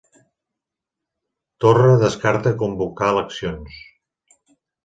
Torra descarta convocar eleccions.